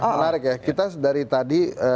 menarik ya kita dari tadi